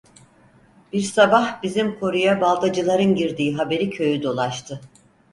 Bir sabah, bizim koruya baltacıların girdiği haberi köyü dolaştı.